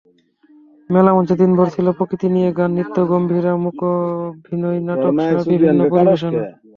মেলামঞ্চে দিনভর ছিল প্রকৃতি নিয়ে গান, নৃত্য, গম্ভীরা, মূকাভিনয়, নাটকসহ বিভিন্ন পরিবেশনা।